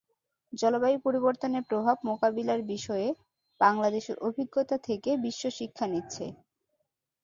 জলবায়ু পরিবর্তনের প্রভাব মোকাবিলার বিষয়ে বাংলাদেশের অভিজ্ঞতা থেকে বিশ্ব শিক্ষা নিচ্ছে।